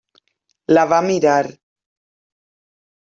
La va mirar.